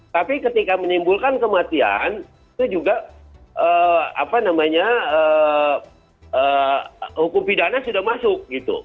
tapi ketika menimbulkan kematian itu juga hukum pidana sudah masuk